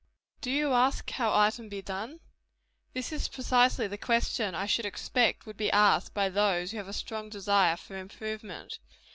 Do you ask how item be done? This is precisely the question I should expect would be asked by those who have a strong desire for improvement.